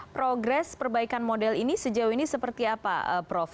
progres perbaikan model ini sejauh ini seperti apa prof